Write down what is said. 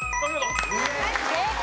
正解。